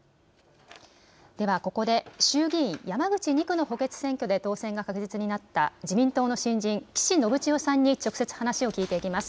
ではここで衆議院山口２区の補欠選挙で当選が確実になった自民党の新人、岸信千世さんに直接話を聞いていきます。